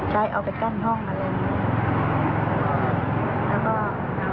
จะเอาไปกั้นห้องอะไรแบบนี้